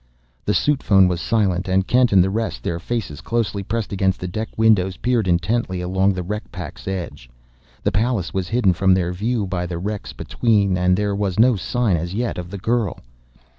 The suit phone was silent; and Kent and the rest, their faces closely pressed against the deck windows, peered intently along the wreck pack's edge. The Pallas was hidden from their view by the wrecks between, and there was no sign as yet of the girl.